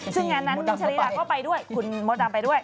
ซึ่งงานนั้นมิชลิดาก็ไปด้วยคุณมดดำไปด้วย